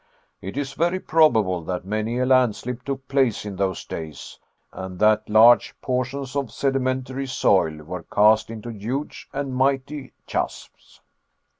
It is very probable that many a landslip took place in those days, and that large portions of sedimentary soil were cast into huge and mighty chasms."